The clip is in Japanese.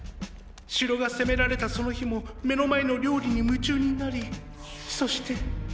城が攻められたその日も目の前の料理に夢中になりそして！